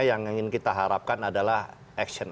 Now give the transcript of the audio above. yang ingin kita harapkan adalah action